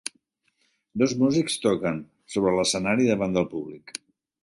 Dos músics toquen sobre l'escenari davant del públic.